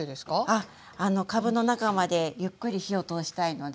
あっかぶの中までゆっくり火を通したいので。